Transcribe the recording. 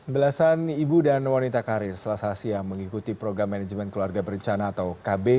belasan ibu dan wanita karir selasa siang mengikuti program manajemen keluarga berencana atau kb